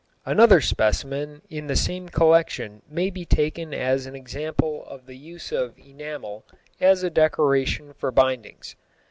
] Another specimen in the same collection may be taken as an example of the use of enamel as a decoration for bindings.